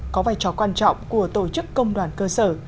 có vai trò quan trọng của tổ chức công đoàn cơ sở